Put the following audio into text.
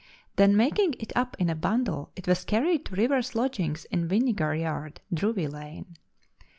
Then making it up in a bundle, it was carried to River's lodgings in Vinegar Yard, Drury Lane.